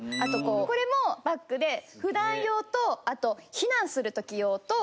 これもバッグで普段用とあと避難するとき用と。